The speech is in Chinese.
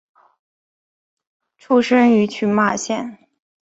出身于群马县。